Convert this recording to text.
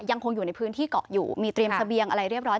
ยังคงอยู่ในพื้นที่เกาะอยู่มีเตรียมเสบียงอะไรเรียบร้อย